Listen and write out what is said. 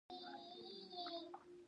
د پیشنهادونو او عرایضو احکام پکې ثبتیږي.